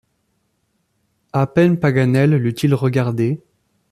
À peine Paganel l’eut-il regardée